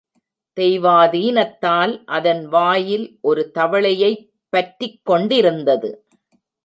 தெய்வாதீனத்தால் அதன் வாயில் ஒரு தவளையைப் பற்றிக்கொண்டிருந்தது.